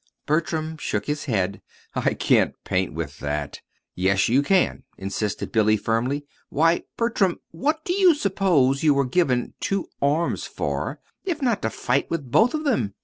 Bertram shook his head. "I can't paint with that." "Yes, you can," insisted Billy, firmly. "Why, Bertram, what do you suppose you were given two arms for if not to fight with both of them?